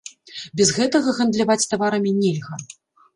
Без гэтага гандляваць таварамі нельга.